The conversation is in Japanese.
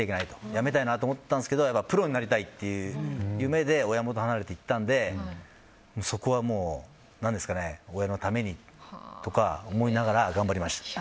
やめたいなと思ったんですけどプロになりたいという夢で親元を離れて行ったのでそこは親のためにとか思いながら頑張りました。